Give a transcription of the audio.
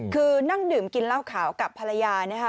คือนั่งดื่มกินเหล้าขาวกับภรรยานะคะ